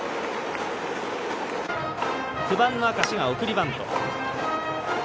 ９番の明石が送りバント。